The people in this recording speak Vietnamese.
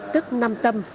tức nam tâm